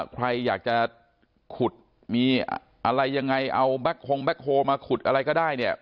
ใครอยากจะขุดมีอะไรยังไงเอาแบคโครมาขุดอะไรก็ได้